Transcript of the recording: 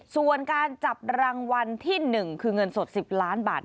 ส่วนการจับรางวัลที่๑คือเงินสด๑๐ล้านบาท